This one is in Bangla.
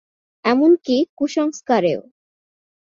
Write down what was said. এমনকি কুসংস্কারেও।